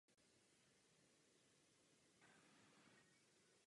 Většina obyvatelstva je slovenské národnosti.